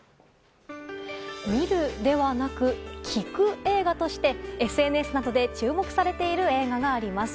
見るではなく聴く映画としてＳＮＳなどで注目されている映画があります。